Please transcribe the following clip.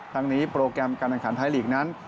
ทั้งนี้โปรแกรมการแข่งขันไทยลีกนั้น